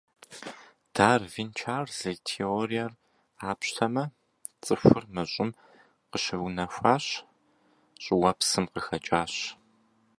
Дарвин Чарльз и теориер къапщтэмэ, цӏыхур мы Щӏым къыщыунэхуащ, щӏыуэпсым къыхэкӏащ.